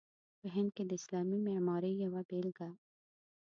په هند کې د اسلامي معمارۍ یوه بېلګه.